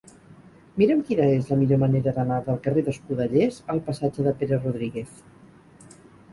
Mira'm quina és la millor manera d'anar del carrer d'Escudellers al passatge de Pere Rodríguez.